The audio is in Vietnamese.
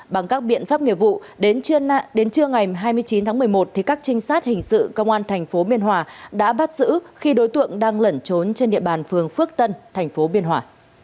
bằng các biện pháp nghiệp vụ đến trưa ngày hai mươi chín tháng một mươi một các trinh sát hình sự công an thành phố biên hòa đã bắt giữ khi đối tượng đang lẩn trốn trên địa bàn phường phước tân thành phố biên hòa